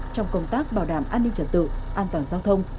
trong công tác bảo đảm an ninh trật tự an toàn giao thông